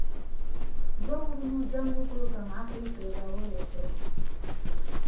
دوه ورونو جنګ وکړو کم عقلو پري باور وکړو.